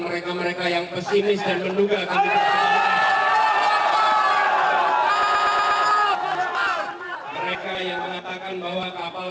mereka mereka yang pesimis dan menduga